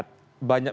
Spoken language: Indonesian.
catatan yang dilihat